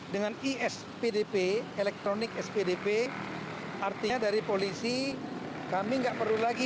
dengan ispdp elektronik spdp artinya dari polisi kami nggak perlu lagi